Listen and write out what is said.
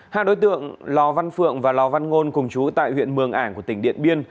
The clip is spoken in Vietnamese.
hai đối tượng lò văn phượng và lò văn ngôn cùng chú tại huyện mường ảng của tỉnh điện biên